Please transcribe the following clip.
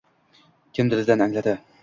Kim dilidan angladi.